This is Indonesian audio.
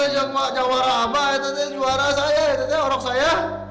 jangan warah abah itu juara saya itu orang saya